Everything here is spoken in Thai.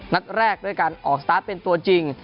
นัดแรกด้วยการออกสตาร์ทเป็นตัวจริง